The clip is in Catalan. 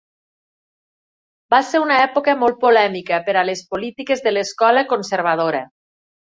Va ser una època molt polèmica per a les polítiques de l' escola conservadora.